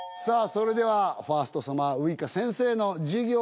それではファーストサマーウイカ先生の授業の採点